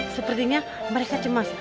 sepertinya mereka cemas